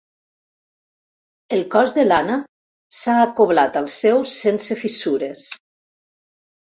El cos de l'Anna s'ha acoblat al seu sense fissures.